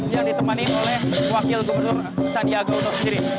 yang ditemani oleh wakil gubernur sandiaga uno sendiri